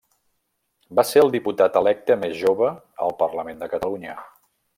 Va ser el diputat electe més jove al parlament de Catalunya.